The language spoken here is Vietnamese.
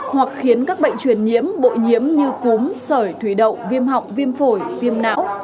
hoặc khiến các bệnh truyền nhiễm bội nhiễm như cúm sởi thủy đậu viêm họng viêm phổi viêm não